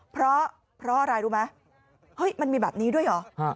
เพราะอะไรรู้ไหมเฮ้ยมันมีแบบนี้ด้วยเหรอ